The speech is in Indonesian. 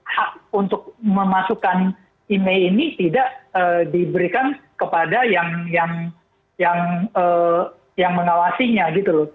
hak untuk memasukkan email ini tidak diberikan kepada yang mengawasinya gitu loh